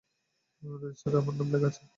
রেজিস্টারে আমার নাম লেখা আছে।